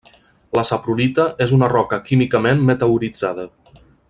La saprolita és una roca químicament meteoritzada.